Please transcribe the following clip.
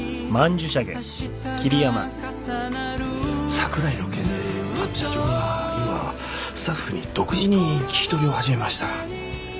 櫻井の件であの社長が今スタッフに独自に聞き取りを始めました。